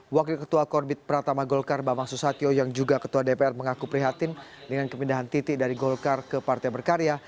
wakil ketua korbit pratama golkar bambang susatyo yang juga ketua dpr mengaku prihatin dengan kemindahan titi dari golkar ke partai berkarya